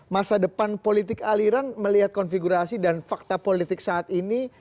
masa depan politik aliran melihat konfigurasi dan fakta politik saat ini